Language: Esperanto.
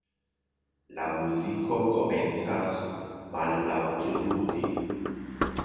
La muziko komencas mallaŭte ludi.